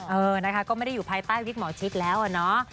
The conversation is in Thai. เออนะคะก็ไม่ได้อยู่ภายใต้วิกหมอชิดแล้วอะเนาะ